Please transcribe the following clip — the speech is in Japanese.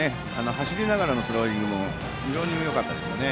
走りながらのスローイングも非常によかったですね。